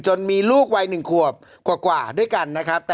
จนมีลูกวัยหนึ่งขวบกว่ากว่าด้วยกันนะครับ